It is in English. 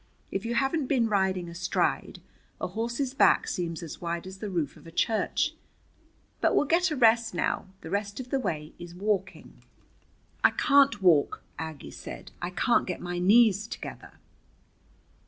"If you haven't been riding astride, a horse's back seems as wide as the roof of a church. But we'll get a rest now. The rest of the way is walking." "I can't walk," Aggie said. "I can't get my knees together."